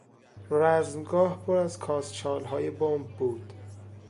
رزمگاه پر از کاسچالهای بمب بود.